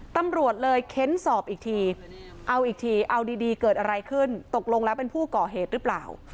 ตำรวจเลยเค้นสอบอีกทีเอาอีกทีเอาดีเกิดอะไรขึ้นตกลงแล้วเป็นผู้ก่อเหตุหรือเปล่า